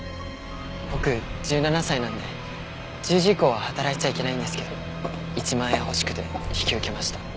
僕１７歳なんで１０時以降は働いちゃいけないんですけど１万円欲しくて引き受けました。